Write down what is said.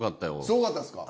すごかったですか。